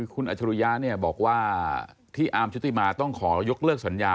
คุณอัจฉริยะบอกว่าที่อาร์มชุติมาต้องขอยกเลิกสัญญา